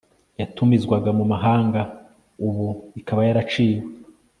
yatumizwaga mu mahanga ubu ikaba yaraciwe